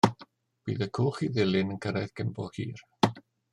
Bydd y cwch i Ddulyn yn cyrraedd cyn bo hir.